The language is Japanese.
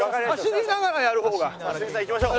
良純さんいきましょう。